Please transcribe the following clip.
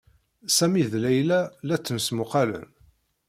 Sami d Layla la ttmesmuqqalen.